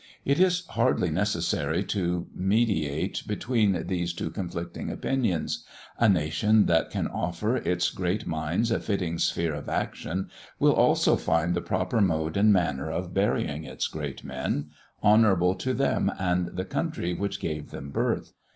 It is hardly necessary to mediate between these two conflicting opinions. A nation that can offer its great minds a fitting sphere of action, will also find the proper mode and manner of burying its great men, honourable to them and the country which gave them birth.